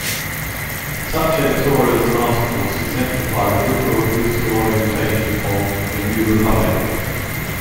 Such editorials and articles exemplify the liberal political orientation of "The New Republic".